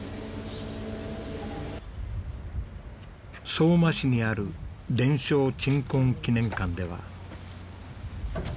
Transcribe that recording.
相馬市にある伝承鎮魂祈念館では。